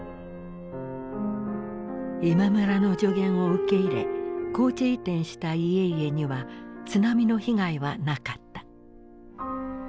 今村の助言を受け入れ高地移転した家々には津波の被害はなかった。